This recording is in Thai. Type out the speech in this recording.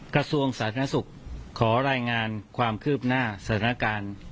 กระทรวงสาธารณสุขขอรายงานความคืบหน้าสถานการณ์